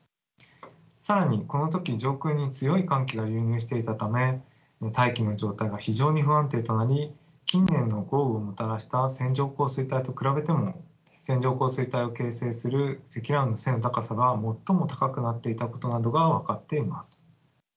更にこの時上空に強い寒気が流入していたため大気の状態が非常に不安定となり近年の豪雨をもたらした線状降水帯と比べても線状降水帯を形成する積乱雲の背の高さが最も高くなっていたことなどが分かっています。